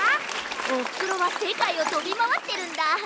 おふくろはせかいをとびまわってるんだ。